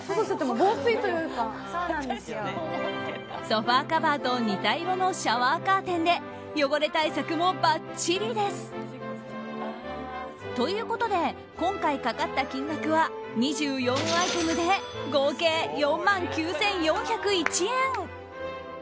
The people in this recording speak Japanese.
ソファカバーと似た色のシャワーカーテンで汚れ対策もばっちりです。ということで今回かかった金額は２４アイテムで合計４万９４０１円！